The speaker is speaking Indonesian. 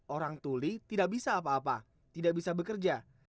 orang tuli tidak bisa apa apa tidak bisa bekerja